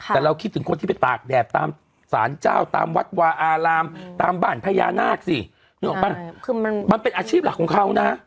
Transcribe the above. แต่เราคิดถึงคนที่ไปตากแดดตามสารเจ้าตามวัดวาอารามตามบ้านพญานาคสินึกออกป่ะคือมันเป็นอาชีพหลักของเขานะ